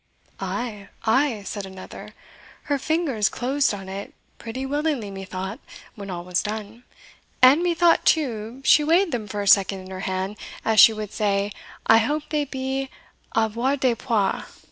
"Ay, ay," said another, "her fingers closed on it pretty willingly methought, when all was done; and methought, too, she weighed them for a second in her hand, as she would say, I hope they be avoirdupois."